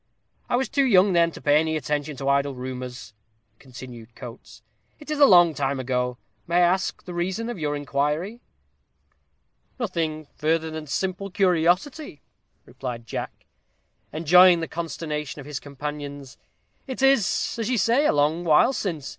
"I was too young, then, to pay any attention to idle rumors," continued Coates. "It's a long time ago. May I ask the reason of your inquiry?" "Nothing further than simple curiosity," replied Jack, enjoying the consternation of his companions. "It is, as you say, a long while since.